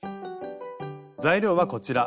材料はこちら。